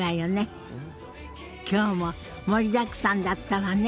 今日も盛りだくさんだったわね。